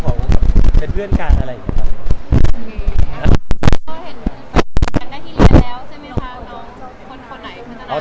เห็นตอนนี้กันได้ที่เรียนแล้วจะมีทางของคนไหน